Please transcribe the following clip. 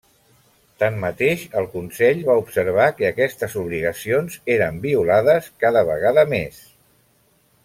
Tanmateix, el Consell va observar que aquestes obligacions eren violades cada vegada més.